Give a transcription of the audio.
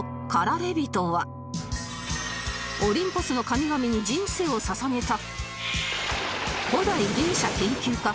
オリンポスの神々に人生を捧げた